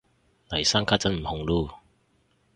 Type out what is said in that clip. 嚟生家陣唔紅嚕